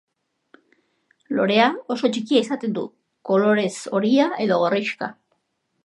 Lorea oso txikia izaten du, kolorez horia edo gorrixka.